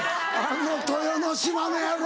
「あの豊ノ島の野郎！」。